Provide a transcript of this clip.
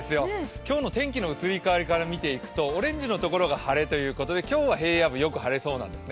今日の天気の移り変わりから見ていくとオレンジの所が晴れということで今日は平野部よく晴れそうなんですね。